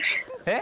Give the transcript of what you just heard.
え？